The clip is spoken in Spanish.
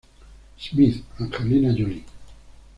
Smith", Angelina Jolie.